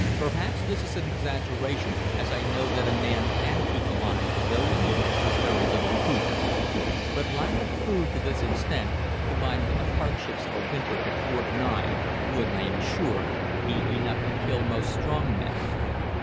Perhaps this is an exaggeration, as I know that a man can keep alive, though weak, with very little food. But lack of food to this extent, combined with the hardships of a winter at Fort 9, would, I am sure, be enough to kill most strong men.